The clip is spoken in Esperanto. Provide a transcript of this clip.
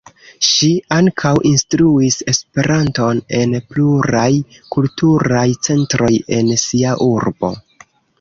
Ŝi ankaŭ instruis esperanton en pluraj kulturaj centroj en sia urbo.